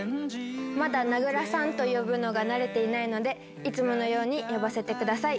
まだ名倉さんと呼ぶのが慣れていないので、いつものように呼ばせてください。